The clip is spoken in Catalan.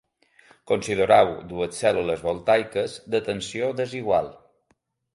Considereu dues cèl·lules voltaiques de tensió desigual.